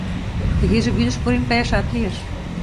Тыгеже вӱдыш пурен каяшат лиеш!